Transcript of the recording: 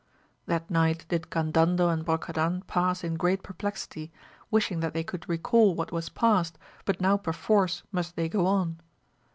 That night did Gandandel and Brocadan pass in great perplexity, wishing that they could recall what was past, but now perforce must they go on.